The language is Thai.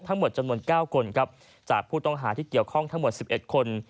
ทั้งหมดจำนวน๙คนจากผู้ต้องหาที่เกี่ยวข้องทั้งหมด๑๑คน